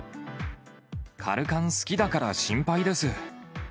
かるかん好きだから心配です。